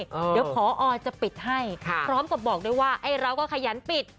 เดี๋ยวพอจะปิดให้พร้อมกับบอกด้วยว่าไอ้เราก็ขยันปิด